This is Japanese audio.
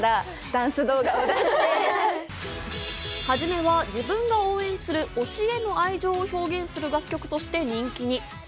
初めは自分が応援する推しへの愛情を表現する楽曲として人気に。